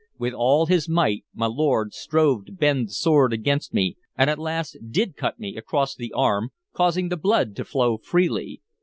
With all his might my lord strove to bend the sword against me, and at last did cut me across the arm, causing the blood to flow freely.